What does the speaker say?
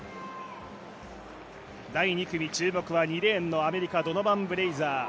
第２組、注目は２レーンのアメリカ、ドノバン・ブレイザー。